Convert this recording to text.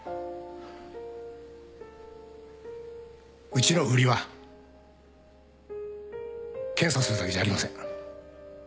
うちの売りは検査をするだけじゃありません。